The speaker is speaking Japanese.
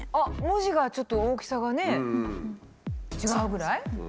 文字がちょっと大きさがね違うぐらい？